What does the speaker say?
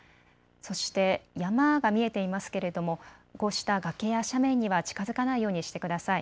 そして山が見えていますけれどもこうした崖や斜面には近づかないようにしてください。